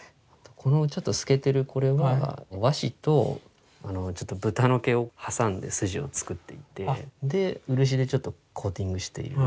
このちょっと透けてるこれは和紙と豚の毛を挟んで筋を作っていてで漆でちょっとコーティングしている。